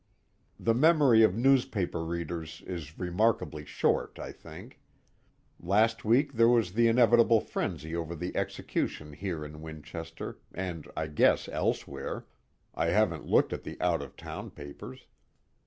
The memory of newspaper readers is remarkably short, I think. Last week there was the inevitable frenzy over the execution here in Winchester, and I guess elsewhere I haven't looked at the out of town papers.